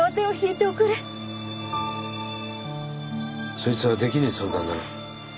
そいつはできねえ相談だな。